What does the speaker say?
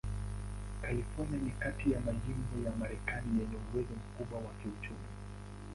California ni kati ya majimbo ya Marekani yenye uwezo mkubwa wa kiuchumi.